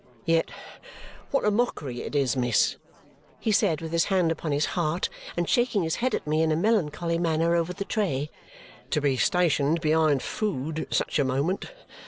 "Yet what a mockery it is, miss," he said with his hand upon his heart and shaking his head at me in a melancholy manner over the tray, "to be stationed behind food at such a moment.